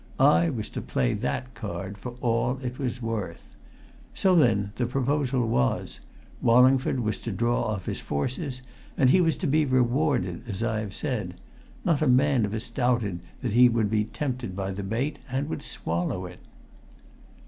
I was to play that card for all it was worth. So then the proposal was Wallingford was to draw off his forces, and he was to be rewarded as I have said. Not a man of us doubted that he would be tempted by the bait, and would swallow it."